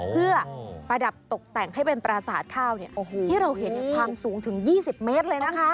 เพื่อประดับตกแต่งให้เป็นปราสาทข้าวที่เราเห็นความสูงถึง๒๐เมตรเลยนะคะ